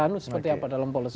anus seperti apa dalam polisi